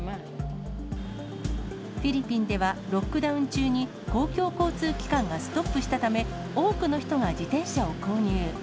フィリピンではロックダウン中に、公共交通機関がストップしたため、多くの人が自転車を購入。